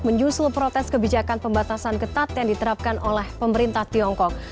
menyusul protes kebijakan pembatasan ketat yang diterapkan oleh pemerintah tiongkok